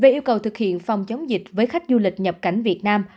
về yêu cầu thực hiện phòng chống dịch với khách du lịch nhập cảnh việt nam